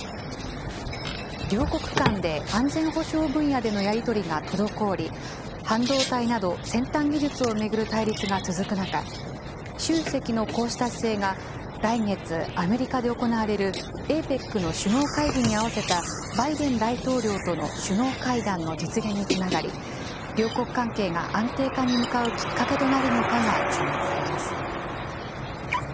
両国間で安全保障分野でのやり取りが滞り、半導体など先端技術を巡る対立が続く中、習主席のこうした姿勢が、来月、アメリカで行われるＡＰＥＣの首脳会議に合わせたバイデン大統領との首脳会談の実現につながり、両国関係が安定化に向かうきっかけとなるのかが注目されます。